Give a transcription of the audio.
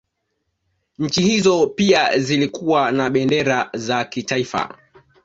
Nchi hizo pia zilikuwa na bendera za kitaifa